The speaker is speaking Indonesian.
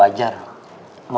aduh contoh malam